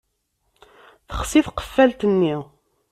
Texsi tqeffalt-nni.